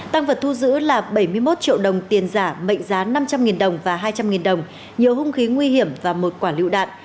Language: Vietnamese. tăng vật thu giữ là bảy mươi một triệu đồng tiền giả mệnh giá năm trăm linh đồng và hai trăm linh đồng nhiều hung khí nguy hiểm và một quả lựu đạn